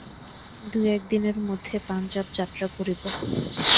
দু-এক দিনের মধ্যে পাঞ্জাব যাত্রা করিব।